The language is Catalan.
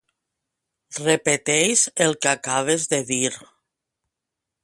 Repeteix el que acabes de dir.